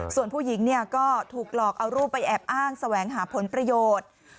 ส่วนผู้หญิงก็ถูกหลอกเอารูปไปแอบอ้างแสวงหาผลประโยชน์